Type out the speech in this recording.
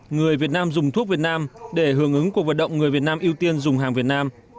người việt nam dùng thuốc việt nam để hưởng ứng cuộc vận động người việt nam ưu tiên dùng hàng việt nam